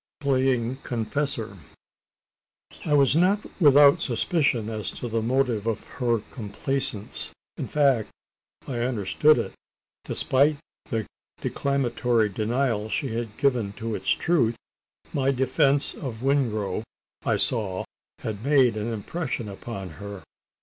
PLAYING CONFESSOR. I was not without suspicion as to the motive of her complaisance: in fact, I understood it. Despite the declamatory denial she had given to its truth, my defence of Wingrove, I saw, had made an impression upon her.